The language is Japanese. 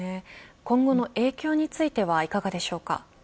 今後の影響についてはいかがでしょうか。